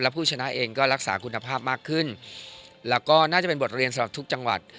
ผู้ชนะเองก็รักษาคุณภาพมากขึ้นแล้วก็น่าจะเป็นบทเรียนสำหรับทุกจังหวัด